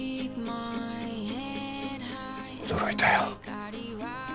驚いたよ。